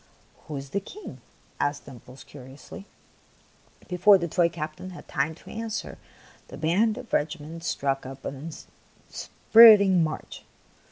" Who is the King ?" asked Dimples, curi ously. Before the toy captain had time to answer, the band of the regiment struck up an inspirit ing march.